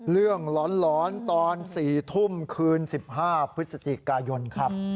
ร้อนตอน๔ทุ่มคืน๑๕พฤศจิกายนครับ